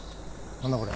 何だよこれ。